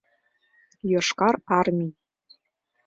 Йошкар Армий